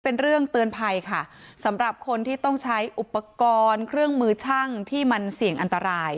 เตือนภัยค่ะสำหรับคนที่ต้องใช้อุปกรณ์เครื่องมือช่างที่มันเสี่ยงอันตราย